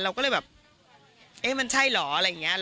เราก็เลยแบบเอ๊ะมันใช่เหรออะไรอย่างนี้